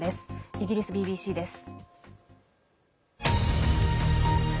イギリスＢＢＣです。